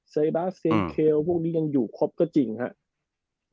เซบาสเซเคลพวกนี้ยังอยู่ครบก็จริงครับ